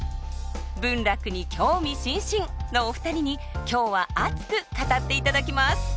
文楽に興味津々のお二人に今日は熱く語っていただきます！